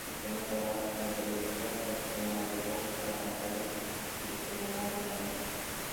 Su primer trabajo como periodista profesional la llevó a la pantalla de Telemundo Amarillo.